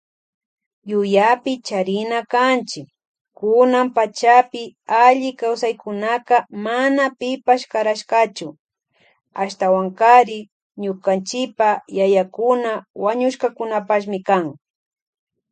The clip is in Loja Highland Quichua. Yuyapi charina kanchi kunan pachapi alli kawsaykunaka mana pipash karashkachu, ashtawankari ñukanchipa yayakuna wañushkakunapashmi kan.